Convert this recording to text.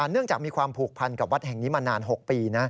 เนื่องจากมีความผูกพันกับวัดแห่งนี้มานาน๖ปี